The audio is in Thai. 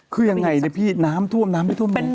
คือยังไงนะพี่น้ำท่วมน้ำไม่ท่วมเลย